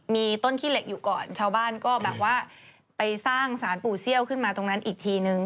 มีต้นขี้เหล็กอยู่ก่อนชาวบ้านก็แบบว่าไปสร้างสารปู่เซี่ยวขึ้นมาตรงนั้นอีกทีนึง